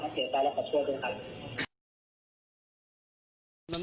มันมัน